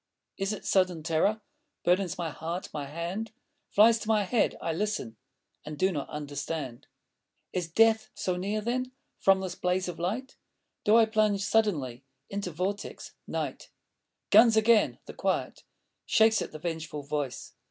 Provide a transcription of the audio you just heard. Is it sudden terror Burdens my heart? My hand Flies to my head. I listen.... And do not understand. Is death so near, then? From this blaze of light Do I plunge suddenly Into Vortex? Night? Guns again! the quiet Shakes at the vengeful voice....